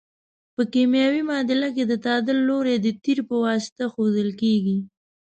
په کیمیاوي معادله کې د تعامل لوری د تیر په واسطه ښودل کیږي.